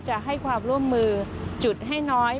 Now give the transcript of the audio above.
จะให้ความร่วมมือจุดให้น้อย